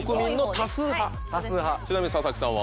・多数派・ちなみに佐々木さんは？